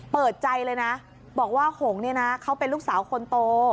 เปิดใจเลยนะบอกว่าหงเนี่ยนะเขาเป็นลูกสาวคนโต